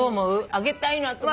あげたいなと思う。